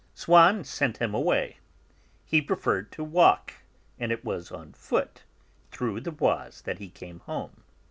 Swann sent him away; he preferred to walk, and it was on foot, through the Bois, that he came home.